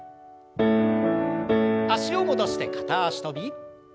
脚を戻して片脚跳び。